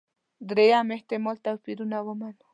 درېیم احتمال توپيرونه ومنو.